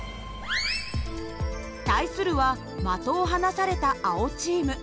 対するは的を離された青チーム。